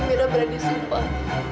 tapi mira berani sumpah